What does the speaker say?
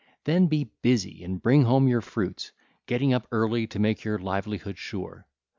Then be busy, and bring home your fruits, getting up early to make your livelihood sure.